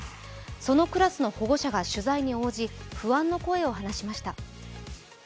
そのクラスの保護者が取材に応じ不安の声を話しました。